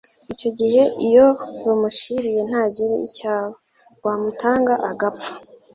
Icyo gihe iyo rumuciriye ntagira icyo aba, rwamutanga agapfa